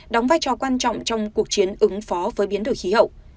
đóng vai trò quan trọng trong cuộc chiến ứng phó với biến đổi khí hậu